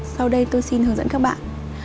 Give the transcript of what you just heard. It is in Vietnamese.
sau đây tôi xin hướng dẫn các bạn